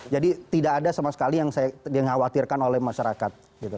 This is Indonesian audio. jadi tidak ada sama sekali yang saya khawatirkan oleh masyarakat